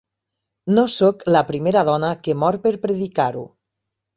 No soc la primera dona que mor per predicar-ho.